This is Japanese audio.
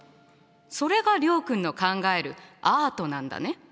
それが諒君の考えるアートなんだね。